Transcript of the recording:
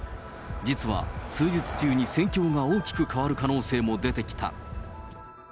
実は数日中に戦況が大きく変わる可能性も出てきた。